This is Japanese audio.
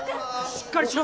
しっかりしろ。